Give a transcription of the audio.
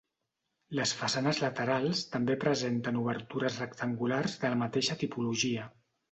Les façanes laterals també presenten obertures rectangulars de la mateixa tipologia.